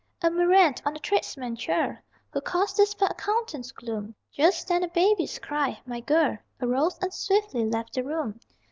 A murrain on the tradesman churl Who caused this fair accountant's gloom! Just then a baby's cry my girl Arose and swiftly left the room.